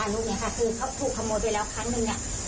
อ๋อลูกนี้ค่ะคือถ้าถูกขโมยไปแล้วครั้งหนึ่ง